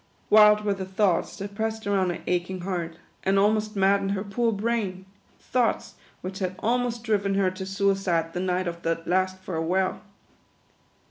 "Wild were the thoughts that pressed around her ach ing heart, and almost maddened her poor brain ; thoughts which had almost driven her to suicide the night of that last farewell.